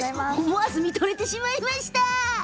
思わず見とれてしまいました。